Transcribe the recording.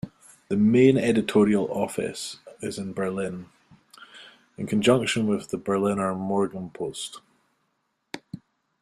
The main editorial office is in Berlin, in conjunction with the "Berliner Morgenpost".